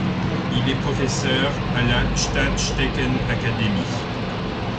Il est professeur à la Stadstekenacademie.